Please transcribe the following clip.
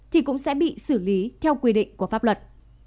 thì cũng sẽ bị xử lý theo quy định của pháp luật